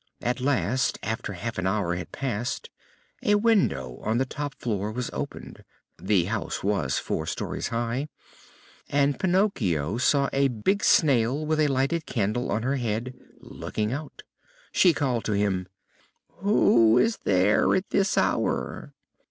At last, after half an hour had passed, a window on the top floor was opened the house was four stories high and Pinocchio saw a big Snail with a lighted candle on her head looking out. She called to him: "Who is there at this hour?"